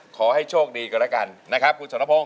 ขอให้โชคดีกันแล้วกันนะครับคุณสรพงศ